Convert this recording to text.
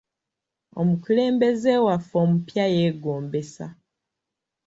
Omukulembeze waffe omupya yeegombesa.